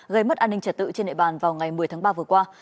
gây mất an ninh trật tự trên nệ bàn vào ngày một mươi tháng ba vừa qua